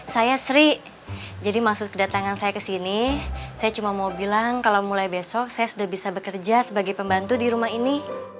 saya sri jadi maksud kedatangan saya ke sini saya cuma mau bilang kalau mulai besok saya sudah bisa bekerja sebagai pembantu di rumah ini